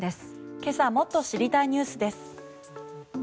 今朝もっと知りたいニュースです。